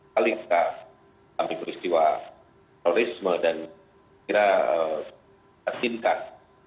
kali kali peristiwa terorisme dan kira kira tingkat